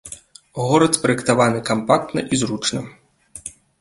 Горад спраектаваны кампактна і зручна.